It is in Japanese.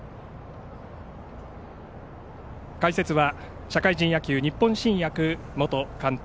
解説は社会人野球日本新薬元監督